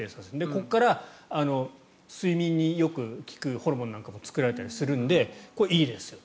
ここから睡眠によく効くホルモンなんかも作られたりするのでこれはいいですよ。